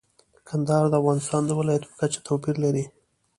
کندهار د افغانستان د ولایاتو په کچه توپیر لري.